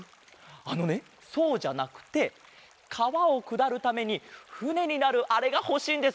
あのねそうじゃなくてかわをくだるためにふねになるあれがほしいんです。